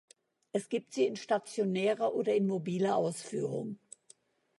Es gibt sie in stationärer oder in mobiler Ausführung.